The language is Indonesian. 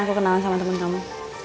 bisa aku kenalan sama temen kamu